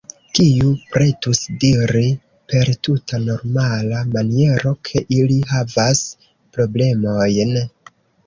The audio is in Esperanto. Kiu pretus diri, per tuta normala maniero, ke ili havas problemojn?